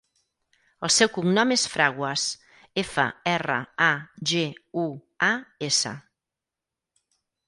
El seu cognom és Fraguas: efa, erra, a, ge, u, a, essa.